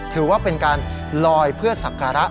ถือว่าเป็นการลอยเพื่อสักการะ